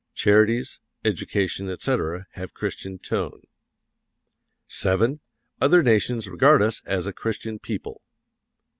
Charities, education, etc., have Christian tone. VII. OTHER NATIONS REGARD US AS A CHRISTIAN PEOPLE.